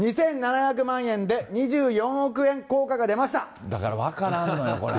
２７００万円で２４億円、効果がだから分からんのよ、これ。